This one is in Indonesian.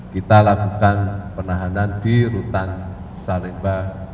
kita lakukan penahanan di rutan salemba